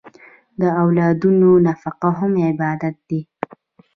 د اولادونو نفقه هم عبادت دی.